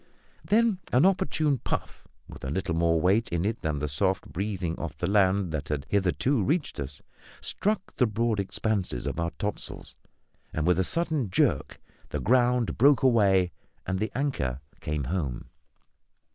Then an opportune puff, with a little more weight in it than the soft breathing off the land that had hitherto reached us, struck the broad expanses of our topsails, and, with a sudden jerk, the ground broke away and the anchor came home.